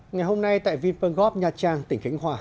ngày hôm nay tại vinpeng gop nha trang tỉnh khánh hòa